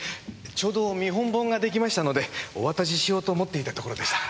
ちょうど見本本ができましたのでお渡ししようと思っていたところでした。